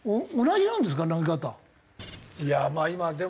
いやあまあ今でも。